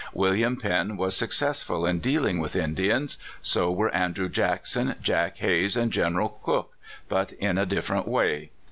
William Penn was suc cessful in dealing with Indians. So were Andrew Jackson, Jack Hays, and General Crook — but in a different way.